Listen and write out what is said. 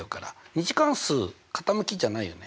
２次関数傾きじゃないよね。